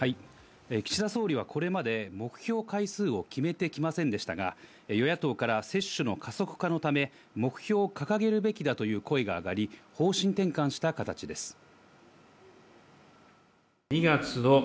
岸田総理はこれまで目標回数を決めてきませんでしたが、与野党から接種の加速化のため目標を掲げるべきだという声が上がり、方針転換した形です。